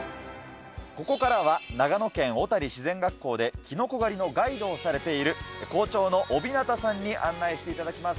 ここからは長野県おたり自然学校でキノコ狩りのガイドをされている校長の大日方さんに案内していただきます。